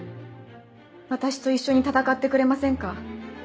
私と一緒に闘ってくれませんか？